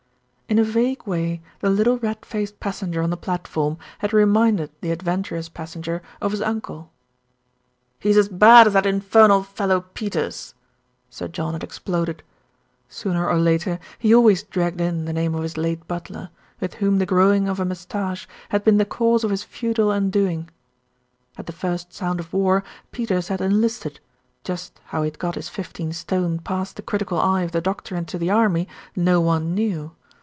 In a vague way the little red faced passenger on the platform had reminded the adventurous passenger of his uncle. "He's as bad as that infernal fellow Peters!" Sir John had exploded. Sooner or later he always dragged in the name of his late butler, with whom the growing of a moustache had been the cause of his feudal undo ing. At the first sound of war Peters had enlisted, just how he had got his fifteen stone past the critical eye of the doctor into the army, no one knew.